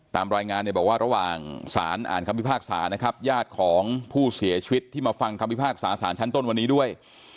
ตามรายงานเนี่ยบอกว่าระหว่างสารอ่านคำพิพากษานะครับญาติของผู้เสียชีวิตที่มาฟังคำพิพากษาสารชั้นต้นวันนี้ด้วย